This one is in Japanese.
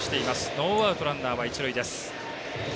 ノーアウト、ランナーは一塁です。